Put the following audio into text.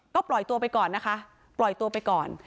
ก็ปล่อยตัวไปก่อนนะคะปล่อยตัวไปก่อน